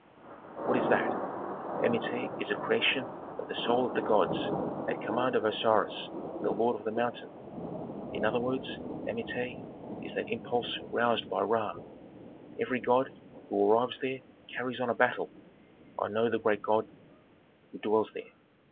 "What is that? "Amenti is a creation of the soul of the gods, at command of Osiris, the lord of the mountain. "In other words, Amenti is that impulse roused by Ra. Every god who arrives there carries on a battle. I know the great god who dwells there.